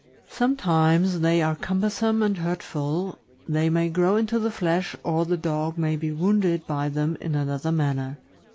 Sometimes they are cumbersome and hurtful; they may grow into the flesh, or the dog may be wounded by them in another manner.